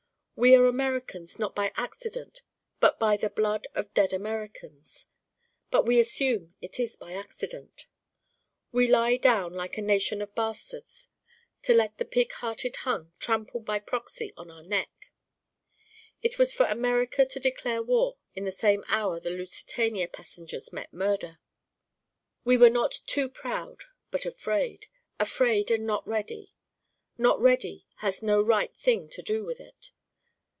We are Americans not by accident but by the blood of dead Americans. But we assume it is by accident. We lie down like a nation of bastards to let the pig hearted Hun trample by proxy on our neck. It was for America to declare war in the same hour the Lusitania passengers met murder. We were not 'too proud' but afraid. Afraid and not ready. Not ready has no right thing to do with it.